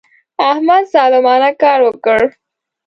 احمد ظالمانه کار وکړ.